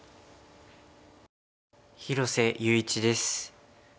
広瀬優一です。